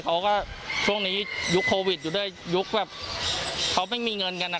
เขาก็ช่วงนี้ยุคโควิดอยู่ด้วยยุคแบบเขาไม่มีเงินกันอ่ะ